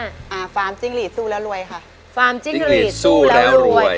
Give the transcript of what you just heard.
อ่าฟาร์มจิ้งหลีดสู้แล้วรวยค่ะฟาร์มจิ้งหลีดสู้แล้วรวย